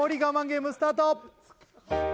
ゲームスタート